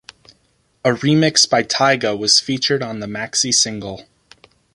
A remix by Tiga was featured on the maxi-single.